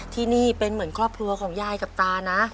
ที่นี่เป็นเหมือนครอบครัวของยายกับตานะ